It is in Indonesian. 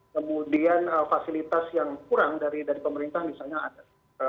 kemudian fasilitas yang kurang dari pemerintah misalnya ada